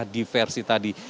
musyawarah diversi tadi